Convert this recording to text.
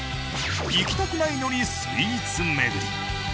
行きたくないのにスイーツ巡り。